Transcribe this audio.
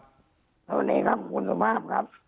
สวัสดีครับคุณสุภาพครับ